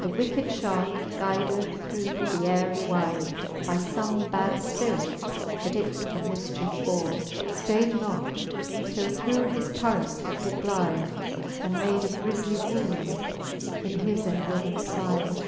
The wicked Ihaft guyded through th'ayrie wyde. By fome bad fpirit, that it to mifchicfe bore, Stayd not, till through his curas it did glyde. And made a griefly wound in his enriven fide.